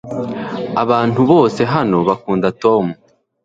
abantu bose hano bakunda tom